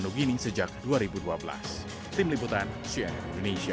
nugini sejak dua ribu dua belas tim liputan share indonesia